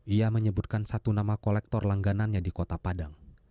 ia menyebutkan satu nama kolektor langganannya di kota padang